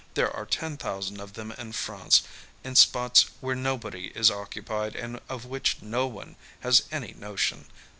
There are ten thousand of them in France in spots where nobody is occupied and of which no one has any notion.